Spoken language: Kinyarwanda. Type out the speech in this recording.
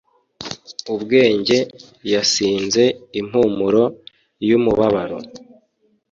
ubwenge yasinze impumuro yumubabaro